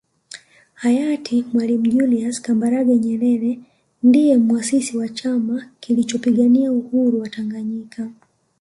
Hayati Mwalimu Julius Kambarage Nyerere ndiye Muasisi wa Chama kilichopigania uhuru wa Tanganyika